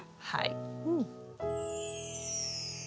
はい。